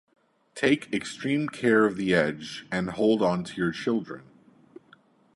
Take extreme care of the edge, and hold on to your children.